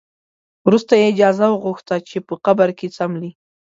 وروسته یې اجازه وغوښته چې په قبر کې څملي.